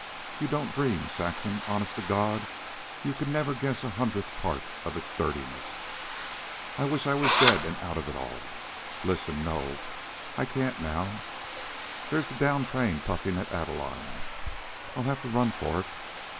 You don't dream. Saxon, honest to God, you could never guess a hundredth part of its dirtiness. Oh, I wish I was dead, I wish I was dead an' out of it all. Listen no, I can't now. There's the down train puffin' at Adeline. I'll have to run for it.